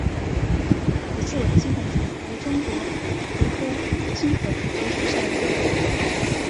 野雉尾金粉蕨为中国蕨科金粉蕨属下的一个种。